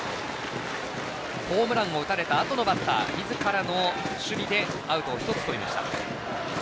ホームランを打たれたあとのバッターみずからの守備でアウトを１つとりました。